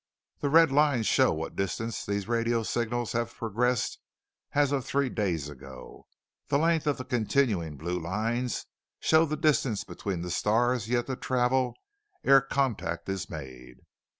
The red lines show what distance these radio signals have progressed as of three days ago; the length of the continuing blue lines show the distance between the stars yet to travel ere contact is made.